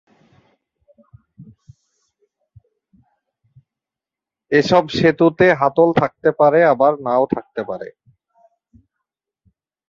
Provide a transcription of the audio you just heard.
এসব সেতুতে হাতল থাকতে পারে আবার নাও থাকতে পারে।